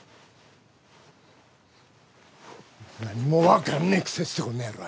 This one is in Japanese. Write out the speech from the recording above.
何も分かんねえくせしてこの野郎。